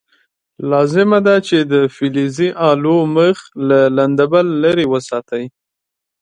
لازمه ده چې د فلزي الو مخ له لنده بل لرې وساتئ.